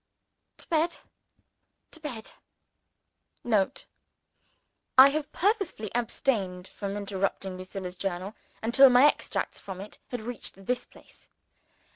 To bed! to bed! [Note. I have purposely abstained from interrupting Lucilla's Journal until my extracts from it had reached this place.